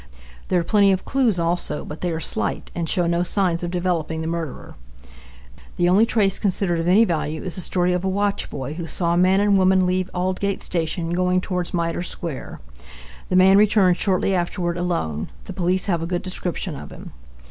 There are plenty of clues also, but they are slight, and show no signs of developing the murderer. The only trace considered of any value is the story of a watchboy who saw a man and woman leave Aldgate station, going towards Mitre square. The man returned shortly afterward alone. The police have a good decription of him.